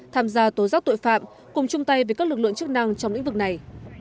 tham gia tố giác tội phạm cùng chung tay với các lực lượng chức năng trong lĩnh vực này